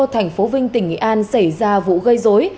thành phố vinh tỉnh nghệ an xảy ra vụ gây dối